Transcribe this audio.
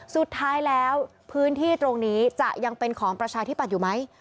สุดท้ายแล้วพื้นที่ตรงนี้จะยังเป็นของประชาธิปัตย์อยู่ไหม